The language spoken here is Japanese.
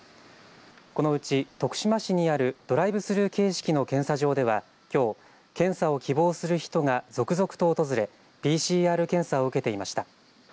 このうち徳島市にあるドライブスルー形式の検査場ではきょう検査を希望する人が続々と訪れＰＣＲ検査を受けていました。